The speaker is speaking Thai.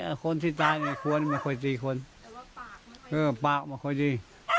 ไอคนที่ตายเนี่ยควรมันค่อยตีคนเออปากมันค่อยตี